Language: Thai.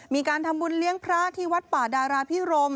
มีการทำบุญเลี้ยงพระที่วัดป่าดาราพิรม